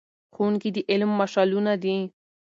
ښوونکي د علم مشعلونه دي.